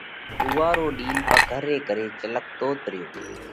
اُوئا رو ڏِيل پگھر ري ڪري چِلڪتوت ريو۔